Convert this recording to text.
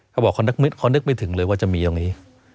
เขาบอกเขานึกไม่ถึงเลยว่าจะมีตรงนี้